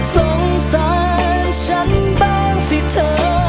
สงสารฉันบ้างสิเธอ